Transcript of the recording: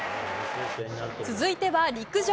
続いては陸上。